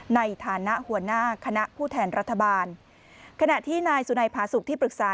ในฐานะหัวหน้าคณะผู้แทนรัฐบาลขณะที่นายสุนัยผาสุกที่ปรึกษา